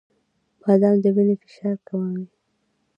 • بادام د وینې فشار کموي.